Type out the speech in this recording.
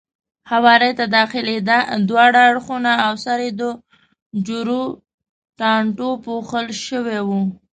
هوارۍ ته داخلېده، دواړه اړخونه او سر یې د جورو ټانټو پوښل شوی و.